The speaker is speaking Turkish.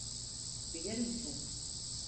Bilir misin?